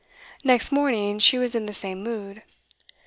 Next morning she was in the same mood.